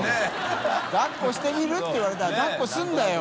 抱っこしてみる？」って言われたら抱っこするんだよ！